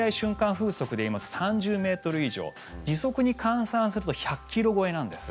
風速で言いますと３０ｍ以上時速に換算すると１００ｋｍ超えなんです。